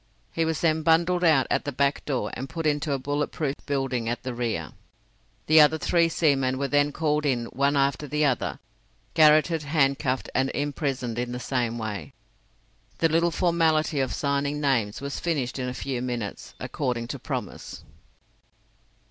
He was then bundled out at the back door and put into a bullet proof building at the rear. The other three seamen were then called in one after the other, garrotted, handcuffed, and imprisoned in the same way. The little formality of signing names was finished in a few minutes, according to promise.